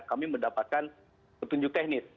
kami mendapatkan petunjuk teknis